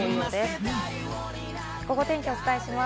ゴゴ天気お伝えします。